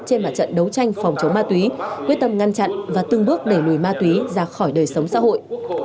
trên mặt trận đấu tranh phòng chống ma túy quyết tâm ngăn chặn và từng bước đẩy lùi ma túy ra khỏi đời sống xã hội